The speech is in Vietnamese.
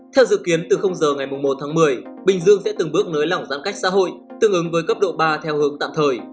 theo dự kiến từ giờ ngày một tháng một mươi bình dương sẽ từng bước nới lỏng giãn cách xã hội tương ứng với cấp độ ba theo hướng tạm thời